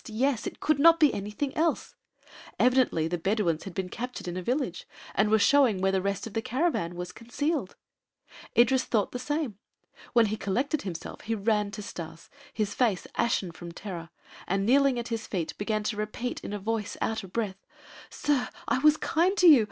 Yes! That could not be anything else. Evidently the Bedouins had been captured in a village and were showing where the rest of the caravan was concealed! Idris thought the same. When he collected himself he ran to Stas, with face ashen from terror, and, kneeling at his feet, began to repeat in a voice out of breath: "Sir, I was kind to you!